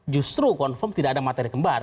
justru konfirm tidak ada matahari kembar